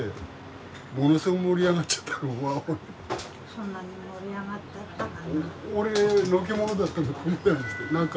そんなに盛り上がっちゃったかな。